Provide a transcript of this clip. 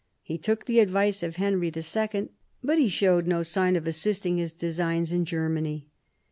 He took the advice of Henry II. , but he showed no sign of assisting his designs in Germany.